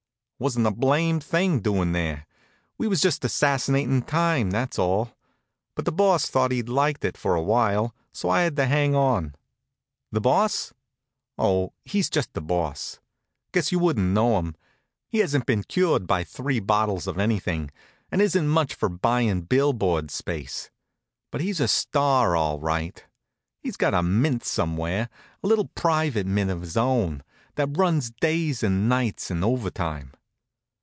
Wasn't a blamed thing doing there. We were just assassinatin' time, that's all. But the Boss thought he liked it, for a while, so I had to hang on. The Boss? Oh, he's just the Boss. Guess you wouldn't know him he hasn't been cured by three bottles of anything, and isn't much for buyin' billboard space. But he's a star all right. He's got a mint somewhere, a little private mint of his own, that runs days and nights and overtime.